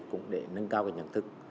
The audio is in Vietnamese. cũng để nâng cao cái nhận thức